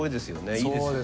いいですよね。